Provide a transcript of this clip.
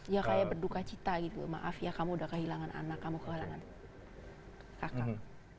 ya kayak berduka cita gitu maaf ya kamu udah kehilangan anak kamu kehilangan kakak